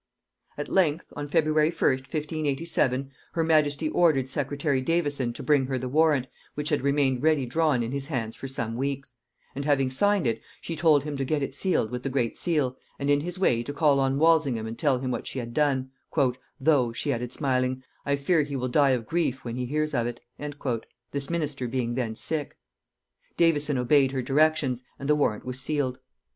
At length, on February 1st 1587, her majesty ordered secretary Davison to bring her the warrant, which had remained ready drawn in his hands for some weeks; and having signed it, she told him to get it sealed with the great seal, and in his way to call on Walsingham and tell him what she had done; "though," she added smiling, "I fear he will die of grief when he hears of it;" this minister being then sick. Davison obeyed her directions, and the warrant was sealed.